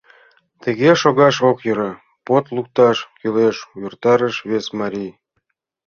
— Тыге шогаш ок йӧрӧ, под лукташ кӱлеш, — увертарыш вес марий.